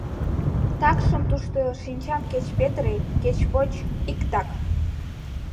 Такшым тушто шинчам кеч петыре, кеч поч — иктак.